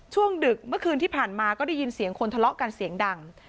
ดึกเมื่อคืนที่ผ่านมาก็ได้ยินเสียงคนทะเลาะกันเสียงดัง